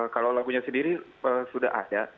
kalau lagunya sendiri sudah ada